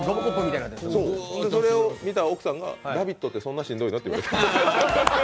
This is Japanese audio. それを見た奥さんが、「ラヴィット！」ってそんなしんどいかって言われた。